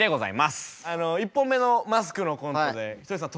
あの１本目の「マスク」のコントでひとりさん